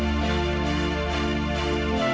ketika pengalaman yang stylish